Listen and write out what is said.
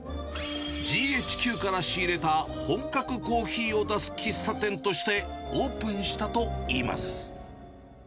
ＧＨＱから仕入れた本格コーヒーを出す喫茶店として、オープンしたといいます。